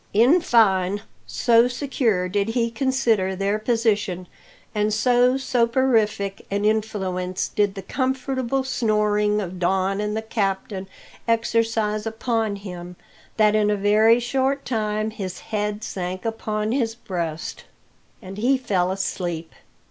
In fine, so secure did he consider their position, and so soporific an influence did the comfortable snoring of Don and the captain exercise upon him, that in a very short time his head sank upon his breast, and he fell asleep.